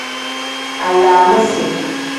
Alaamisi.